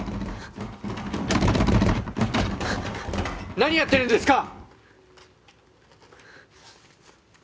・何やってるんですか！